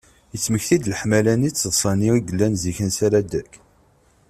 yettmekti-d leḥmala-nni d teḍsa-nni i yellan zik ansi ara d-tekk?